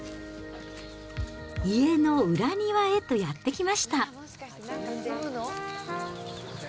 家の裏庭へとやって来ました。